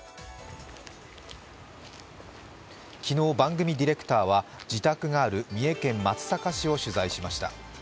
昨日、番組ディレクターは自宅がある三重県松阪市を取材しました。